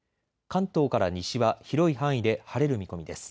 関東から西は広い範囲で晴れる見込みです。